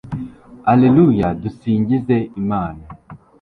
alleluia dusingize imana